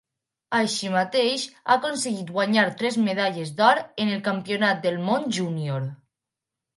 Així mateix ha aconseguit guanyar tres medalles d'or en el Campionat del Món júnior.